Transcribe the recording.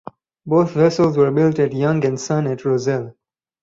Both vessels were built at Young and Son at Rozelle.